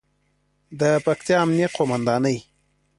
د پکتیا امنیې قوماندانۍ